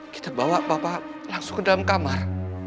kita bawa papa langsung ke dalam kamar